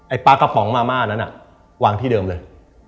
ปลากระป๋องมาม่านั้นวางที่เดิมเลย